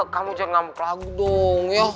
kamu jangan ngambuk lagu dong ya